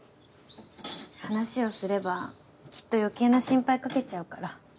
話をすればきっと余計な心配かけちゃうから。